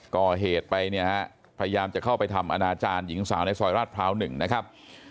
ก่อเหตุไปเนี่ยฮะพยายามจะเข้าไปทำอนาจารย์หญิงสาวในซอยราชพร้าว๑นะครับ